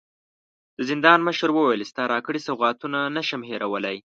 د زندان مشر وويل: ستا راکړي سوغاتونه نه شم هېرولی.